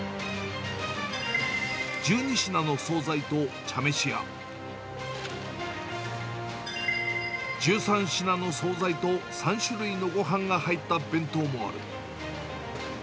１２品の総菜と茶飯や、１３品の総菜と３種類のごはんが入った弁当もある。